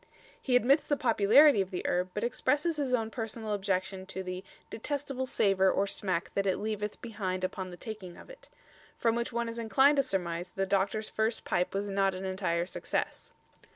He admits the popularity of the herb, but expresses his own personal objection to the "detestable savour or smack that it leaveth behind upon the taking of it"; from which one is inclined to surmise that the doctor's first pipe was not an entire success.